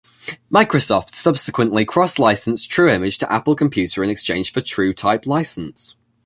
Microsoft subsequently cross-licensed TrueImage to Apple Computer in exchange for a TrueType license.